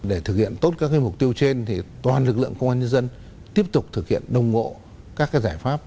để thực hiện tốt các mục tiêu trên toàn lực lượng công an nhân dân tiếp tục thực hiện đồng ngộ các giải pháp